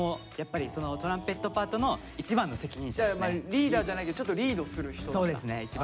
リーダーじゃないけどちょっとリードする人だ。